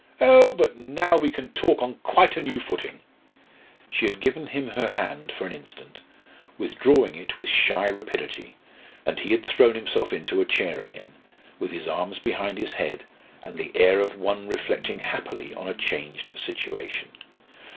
Oh! but now we can talk on quite a new footing!" She had given him her hand for an instant, withdrawing it with shy rapidity, and he had thrown himself into a chair again, with his arms behind his head, and the air of one reflecting happily on a changed situation.